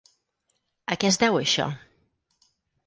A què es deu això?